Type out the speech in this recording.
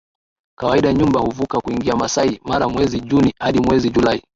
Kawaida nyumbu huvuka kuingia Maasai Mara mwezi Juni hadi mwezi Julai